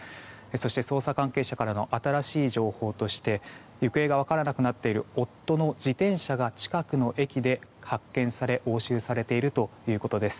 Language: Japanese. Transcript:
そして、捜査関係者からの新しい情報として行方が分からなくなっている夫の自転車が近くの駅で発見され押収されているということです。